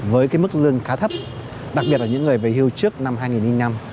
với cái mức lương khá thấp đặc biệt là những người về hưu trước năm hai nghìn năm